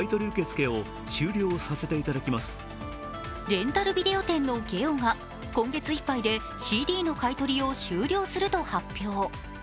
レンタルビデオ店のゲオが今月いっぱいで、ＣＤの買い取りを終了すると発表。